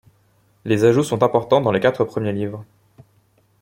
Les ajouts sont importants dans les quatre premiers livres.